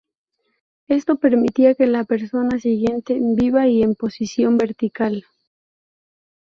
Esto permitía que la persona siguiese viva y en posición vertical.